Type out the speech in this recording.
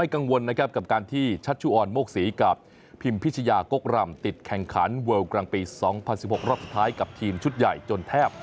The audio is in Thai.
กล่ามติดแข่งขันเวิลด์กลางปี๒๐๑๖รอบสุดท้ายกับทีมชุดใหญ่จนแทบ